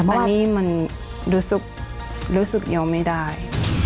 อันนี้มันรู้สึกยอมไม่ได้